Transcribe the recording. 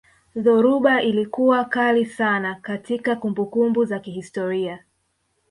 dhoruba ilikuwa kali sana katika kumbukumbu za kihistoria